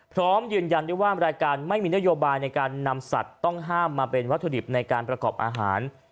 พร้อมยืนยันได้ว่ารายการไม่มีนโยบายในการนำสัตว์ต้องห้ามมาเป็นวัตถุดิบในการประกอบอาหาร